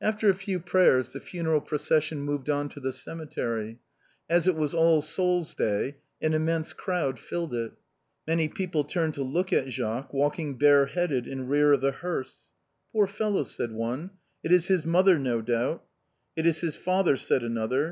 After a few prayers the funeral procession moved on to the cemetery. As it was All Souls' Day an immense crowd filled it. Many people turned to look at Jacques walking bareheaded in the rear of the hearse. " Poor fellow," said one, "it is his mother, no doubt." " It is his father," said another.